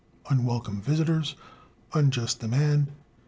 Unwelcome Visitors. Unjust Demand.